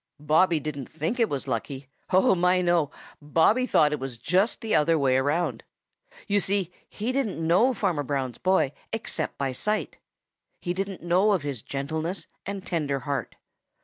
Bobby didn't think it was lucky. Oh, my, no! Bobby thought it was just the other way about. You see, he didn't know Farmer Brown's boy, except by sight. He didn't know of his gentleness and tender heart.